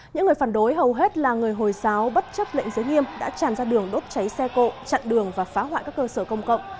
những người phản đối hầu hết là người hồi giáo bất chấp lệnh giới nghiêm đã tràn ra đường đốt cháy xe cộ chặn đường và phá hoại các cơ sở công cộng